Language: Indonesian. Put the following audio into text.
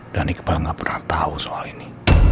dan iqbal gak pernah tau soal ini